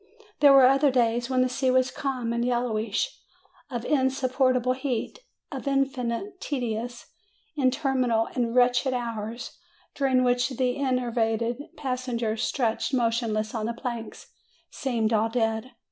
There were other days, when the sea was calm and yellowish, of insupportable heat, of infinite tediousness; interminable and wretched hours, during which the enervated passengers, stretched motionless on the planks, seemed all dead.